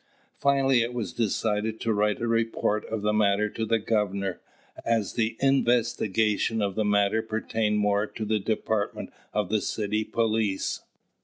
Finally it was decided to write a report of the matter to the governor, as the investigation of the matter pertained more to the department of the city police.